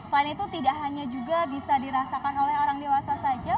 selain itu tidak hanya juga bisa dirasakan oleh orang dewasa saja